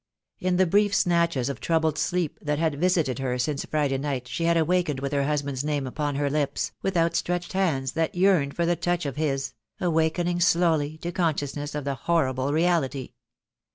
In the brief snatches of troubled sleep that had visited her since Friday night she had awakened with her husband's name upon her lips, with outstretched hands that yearned for the touch of his, awakening slowly to consciousness of the horrible reality.